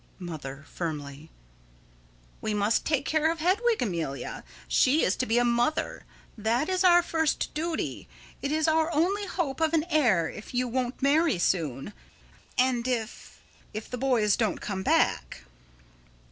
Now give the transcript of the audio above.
Mother: [Firmly.] We must take care of Hedwig, Amelia. She is to be a mother. That is our first duty. It is our only hope of an heir if you won't marry soon and if if the boys don't come back.